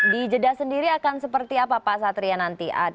di jeddah sendiri akan seperti apa pak satria nanti